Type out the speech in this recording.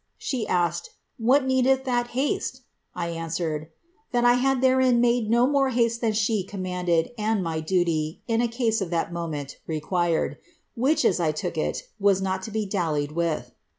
She asked, ^ What needeth that hasle ?' I answered, ^ That I had therein made no more haste than herself commanded, and my duty, in a case of that moment, required, which, as I took it, was not to be dallied with.'